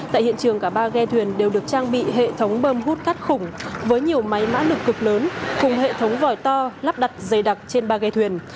tại hiện trường cả ba ghe thuyền đều được trang bị hệ thống bơm hút cát khủng với nhiều máy mã nực cực lớn cùng hệ thống vòi to lắp đặt dày đặc trên ba ghe thuyền